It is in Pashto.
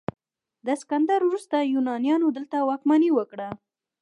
د اسکندر وروسته یونانیانو دلته واکمني وکړه